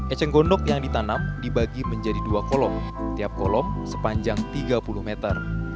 eceng gondok yang ditanam dibagi menjadi dua kolom tiap kolom sepanjang tiga puluh meter